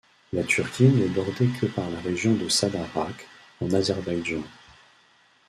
La Turquie n'est bordée que par la région de Sadarak en Azerbaïdjan.